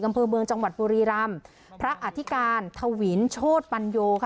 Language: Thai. อำเภอเมืองจังหวัดบุรีรำพระอธิการทวินโชธปัญโยค่ะ